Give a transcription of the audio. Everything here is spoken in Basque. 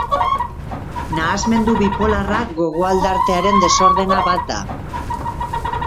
Nahasmendu bipolarra gogo-aldartearen desordena bat da.